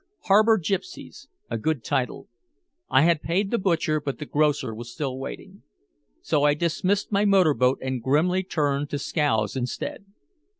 "Harbor Gypsies." A good title. I had paid the butcher, but the grocer was still waiting. So I dismissed my motorboat and grimly turned to scows instead.